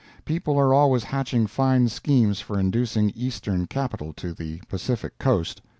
People are always hatching fine schemes for inducing Eastern capital to the Pacific coast.